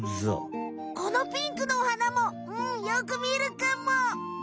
このピンクのお花もうんよくみるかも！